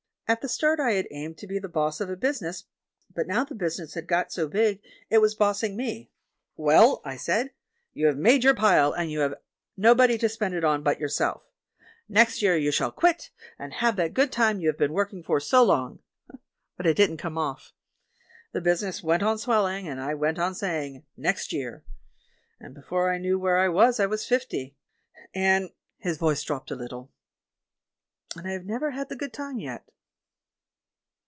At the start I had aimed to be the boss of a busi ness, but now the business had got so big it was S8 THE MAN WHO UNDERSTOOD WOMEN bossing me. 'Well,' I said, 'you have made yom* pile, and you have nobody to spend it on but yourself ; next year you shall quit, and have that good time you have been working for so long.' But it didn't come off. The business went on swelling, and I went on saying, 'Next year.' And before I knew where I was I was fifty, and" — his voice dropped a little — "and I have never had the good time yet."